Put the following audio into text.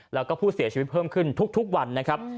แล้วก็ผู้เสียชีวิตเพิ่มขึ้นทุกวันนะครับ